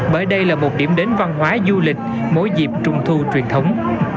bởi đây là một điểm đến văn hóa du lịch mỗi dịp trung thu truyền thống